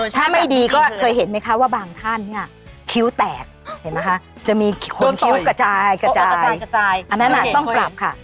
ถ้าไม่ดีก็เคยเห็นไหมคะว่าบางท่านเนี่ยคิ้วแตกเห็นไหมคะจะมีคนคิ้วกระจายกระจายอันนั้นต้องปรับค่ะ